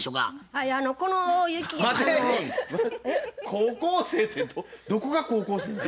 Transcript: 高校生ってどこが高校生なんや。